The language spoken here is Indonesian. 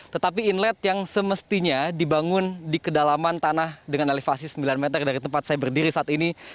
tetapi inlet yang semestinya dibangun di kedalaman tanah dengan elevasi sembilan meter dari tempat saya berdiri saat ini